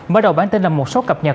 mở đầu bản tin là một số cập nhật